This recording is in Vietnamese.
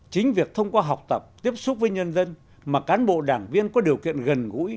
chính việc thông qua học tập tiếp xúc với nhân dân mà cán bộ đảng viên có điều kiện gần gũi